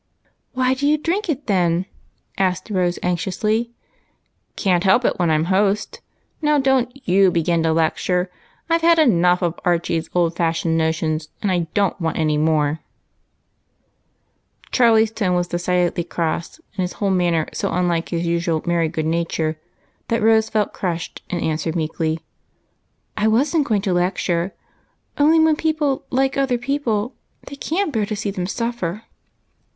"Why do you drink it, then?" asked Rose, anx iously. " Can't help it, when I 'm host. Now, don't you begin to lecture ; I 've had enough of Archie's old' fashioned notions, and I don't want any more." PEACE MAKING. 271 Charlie's tone was decidedly cross, and his whole manner so unlike his usual merry good nature, that Rose felt crushed, and answered meekly, —" I was n't going to lecture, only when people like other i^eople, they can't bear to see them suffer pain."